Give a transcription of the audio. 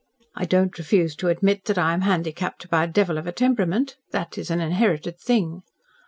"I don't refuse to admit that I am handicapped by a devil of a temperament. That is an inherited thing."